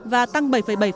và tăng bảy bảy